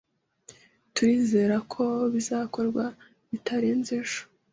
Turizera ko bizakorwa bitarenze ejo.